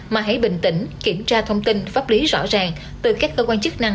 mà hãy bình tĩnh kiểm tra thông tin pháp lý rõ ràng từ các cơ quan chức năng